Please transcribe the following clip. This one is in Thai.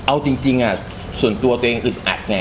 เอาจริงส่วนตัวตัวเองอึดอัดแน่